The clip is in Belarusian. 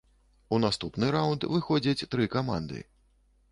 У наступны раўнд выходзіць тры каманды.